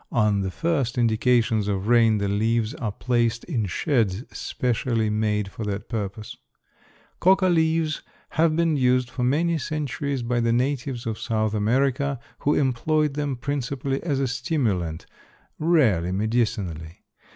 On the first indications of rain the leaves are placed in sheds specially made for that purpose. Coca leaves have been used for many centuries by the natives of South America who employed them principally as a stimulant, rarely medicinally.